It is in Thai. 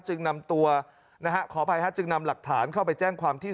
จึงนำตัวนะฮะขออภัยฮะจึงนำหลักฐานเข้าไปแจ้งความที่